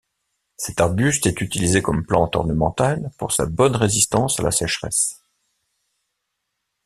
Cet arbuste est utilisé comme plante ornementale pour sa bonne résistance à la sècheresse.